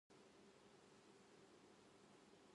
夏は海に行って泳ぎたい